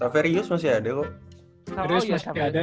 saverius masih ada di blit aja ya